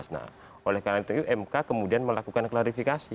nah oleh karena itu mk kemudian melakukan klarifikasi